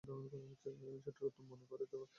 সেটার উত্তর মনে হয় কখনও জানা হবে না, ক্লেয়ার।